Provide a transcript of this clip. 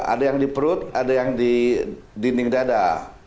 ada yang di perut ada yang di dinding dada